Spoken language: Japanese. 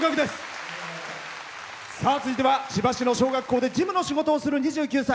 続いては千葉の小学校で事務の仕事をする２９歳。